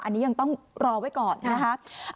อันนี้ยังต้องรอไว้ก่อนนะครับ